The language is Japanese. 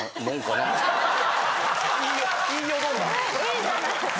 いいじゃないですか。